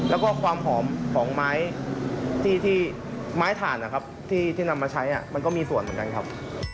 แล้วก็ความหอมของไม้ที่ไม้ถ่านนะครับที่นำมาใช้มันก็มีส่วนเหมือนกันครับ